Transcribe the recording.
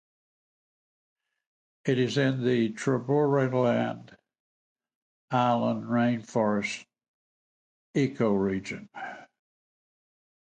It is in the Trobriand Islands rain forests ecoregion.